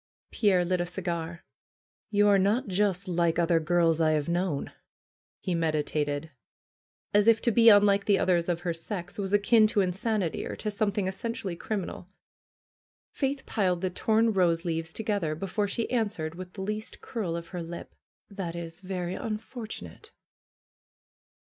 Pierre lit a cigar. "You are not just like other girls I have known," he meditated, as if to be unlike the others of her sex was akin to insanity or to something essentially crim inal. Faith piled the torn rose leaves together before she answered with the least curl of her lip: "That is very unfortunate